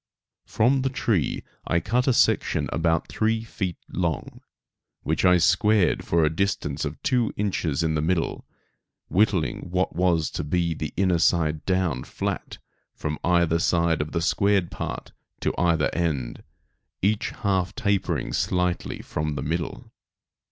From the tree I cut a section about three feet long, which I squared for a distance of two inches in the middle, whittling what was to be the inner side down flat from either side of the squared part to either end, each half tapering slightly from the middle.